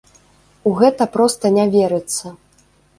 У гэта проста не верыцца.